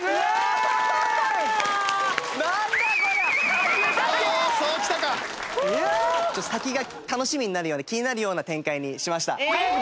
先が楽しみになるような気になるような展開にしました。